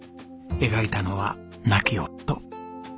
描いたのは亡き夫。